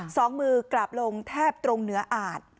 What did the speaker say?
สองมือกราบลงแทบตรงเหนืออาจ